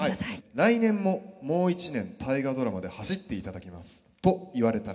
「来年ももう一年『大河ドラマ』で走っていただきますと言われたら」。